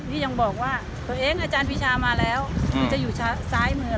ที่ยังบอกว่าตัวเองอาจารย์ปีชามาแล้วจะอยู่ซ้ายมือ